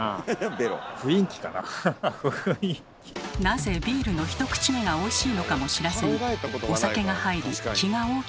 なぜビールの１口目がおいしいのかも知らずにお酒が入り気が大きくなり。